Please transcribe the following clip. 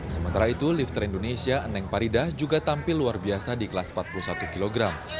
sementara itu lifter indonesia eneng parida juga tampil luar biasa di kelas empat puluh satu kg